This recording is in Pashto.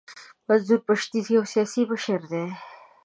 منظور پښتین یو سیاسي مشر دی.